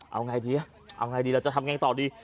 เอาไงดีเอาไงดีเราจะทำไงต่อดี